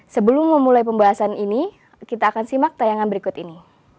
sebelum memulai pembahasan ini kita akan simak tayangan berikut ini